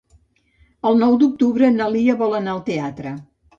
El nou d'octubre na Lia vol anar al teatre.